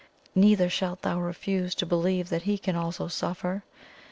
Neither shalt thou refuse to believe that He can also suffer.